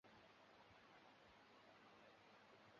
长穗桦是桦木科桦木属的植物。